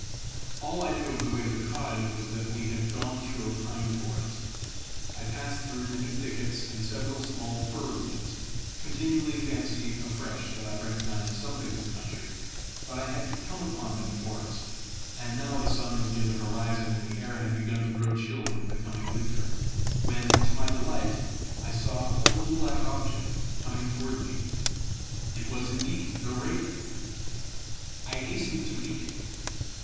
All I knew of the way to the cottage was that we had gone through a pine forest. I passed through many thickets and several small fir woods, continually fancying afresh that I recognised something of the country; but I had come upon no forest, and now the sun was near the horizon, and the air had begun to grow chill with the coming winter, when, to my delight, I saw a little black object coming toward me: it was indeed the raven! I hastened to meet him.